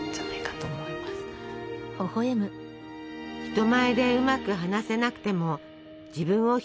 人前でうまく話せなくても自分を表現する手段がある。